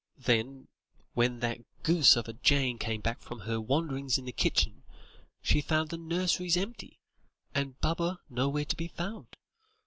Then, when that goose of a Jane came back from her wanderings in the kitchen, she found the nurseries empty, and Baba nowhere to be found.